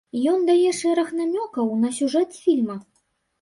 Ён дае шэраг намёкаў на сюжэт фільма.